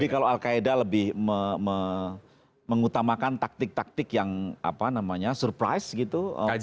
jadi kalau al qaeda lebih mengutamakan taktik taktik yang surprise gitu